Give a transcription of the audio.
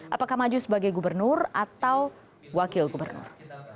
apakah maju sebagai gubernur atau wakil gubernur